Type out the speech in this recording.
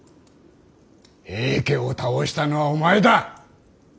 平家を倒したのはお前だ。